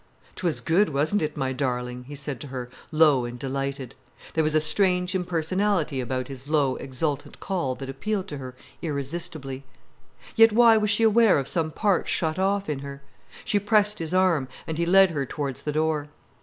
"'Twas good, wasn't it, my darling?" he said to her, low and delighted. There was a strange impersonality about his low, exultant call that appealed to her irresistibly. Yet why was she aware of some part shut off in her? She pressed his arm, and he led her towards the door.